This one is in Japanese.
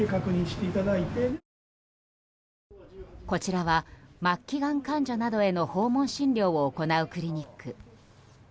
こちらは末期がん患者などへの訪問診療を行うクリニック。